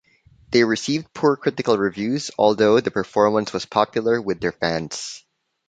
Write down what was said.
They received poor critical reviews although the performance was popular with their fans.